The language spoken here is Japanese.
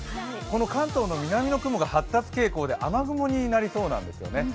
この関東の南の雲が発達傾向で、雨雲になりそうなんですよね。